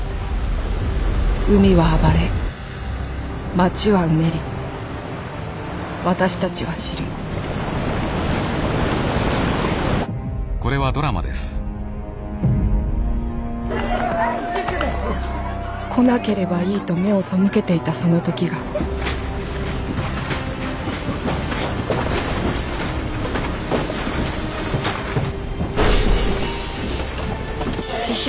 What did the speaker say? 海は暴れ街はうねり私たちは知る来なければいいと目を背けていたその時が地震？